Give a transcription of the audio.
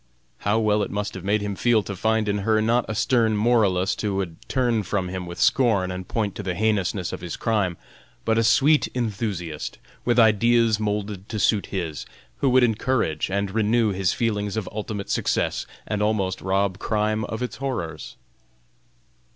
How well it must have made him feel to find in her not a stern moralist who would turn from him with scorn and point to the heinousness of his crime, but a sweet enthusiast, with ideas moulded to suit his, who would encourage and renew his feelings of ultimate success and almost rob crime of its horrors!